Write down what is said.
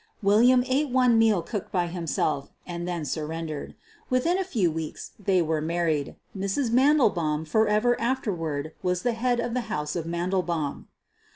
William ate one meal cooked by himself and then surrendered. Within a few weeks they were married. Mrs. Man delbaum forever afterward was the head of the house of Mandelbaum.